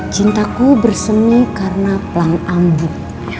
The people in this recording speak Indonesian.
cintaku bersemi karena pelang ambut